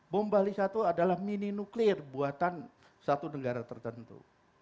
bom bali satu adalah mini nuklir buatan satu negara tertentu